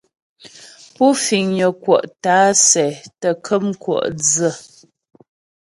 Pú fiŋnyə kwɔ' tǎ'a sɛ tə́ kəm kwɔ' dsə.